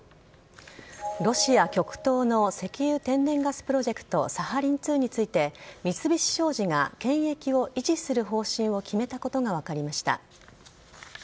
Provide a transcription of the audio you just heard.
ロシア極東の石油天然ガスプロジェクトサハリン２について三菱商事が権益を維持する方針を決めたことが分かりました。